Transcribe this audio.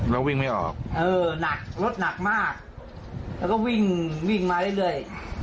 เราวิ่งไม่ออกเออหนักรถหนักมากแล้วก็วิ่งวิ่งมาเรื่อย